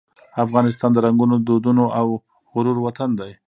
افغانستان د رنګونو، دودونو او غرور وطن دی.